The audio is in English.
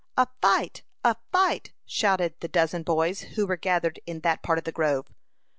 "A fight! A fight!" shouted the dozen boys who were gathered in that part of the grove.